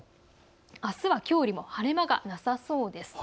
あすはきょうよりも晴れ間がなさそうです。